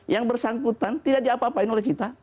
yang bersangkutan tidak diapapain oleh kita